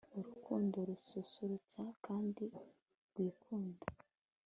Urukundo rususurutsa kandi rwikunda